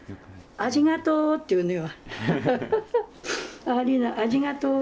あじがとうっていうのよ。